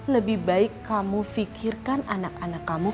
lebih baik kamu pikirkan anak anak kamu